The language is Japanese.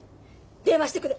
電話してくる！